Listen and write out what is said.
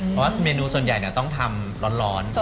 เพราะว่าเมนูส่วนใหญ่ต้องทำร้อน